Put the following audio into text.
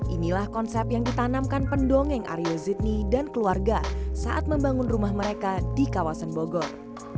inilah konsep yang ditanamkan pendongeng aryo zidni dan keluarga saat membangun rumah mereka di kawasan bogor